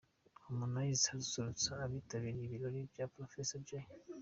Harmonize asusurutsa abitabiriye ibirori bya Professor Jay.